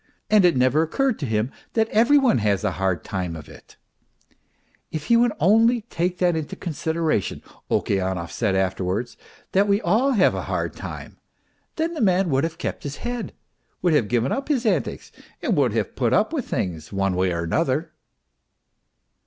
... And it never occurred to him that every one has a hard time of it ! "If he would only take that into consideration," Okeanov said afterwards, " that we all have a hard time, then the man would have kept his head, would have given up his antics and would have put up with things, one way or another."